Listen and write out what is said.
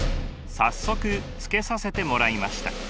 早速つけさせてもらいました。